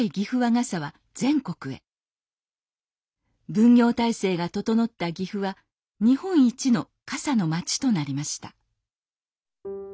分業体制が整った岐阜は日本一の傘の町となりました